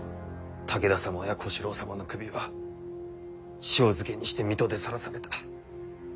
武田様や小四郎様の首は塩漬けにして水戸で晒された。